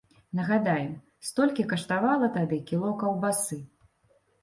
Нагадаем, столькі каштавала тады кіло каўбасы.